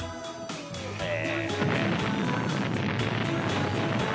へえ。